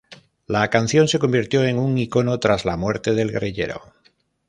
La canción se convirtió en un ícono tras la muerte del guerrillero.